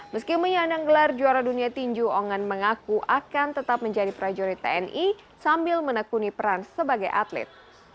meski menyandang gelar juara dunia tinju ongan mengaku akan tetap menjadi prajurit tni sambil menekuni peran sebagai atlet